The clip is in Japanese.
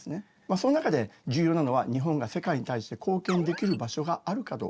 その中で重要なのは日本が世界に対して貢献できる場所があるかどうか。